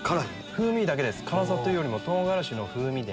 風味だけです辛さというよりも唐辛子の風味で。